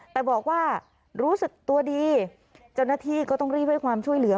แต่บอกว่ารู้สึกตัวดีเจ้าหน้าที่ก็ต้องรีบให้ความช่วยเหลือ